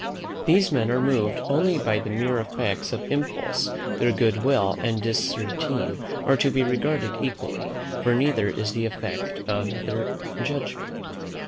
These men are moved only by the mere effects of impulse: their good will and disesteem are to be regarded equally, for neither is the effect of their judgment.